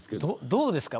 どうですか。